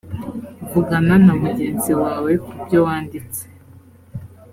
vugana na mugenzi wawe ku byo wanditse